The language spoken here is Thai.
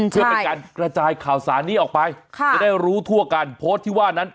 เพื่อเป็นการกระจายข่าวสารนี้ออกไปจะได้รู้ทั่วกันโพสต์ที่ว่านั้น